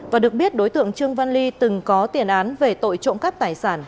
và được biết đối tượng trương văn ly từng có tiền án về tội trộm cắp tài sản